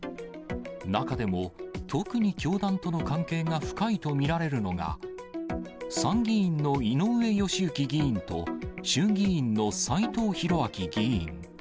中でも、特に教団との関係が深いと見られるのが、参議院の井上義行議員と、衆議院の斎藤洋明議員。